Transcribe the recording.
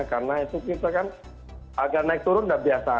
karena itu kita kan agak naik turun dan biasa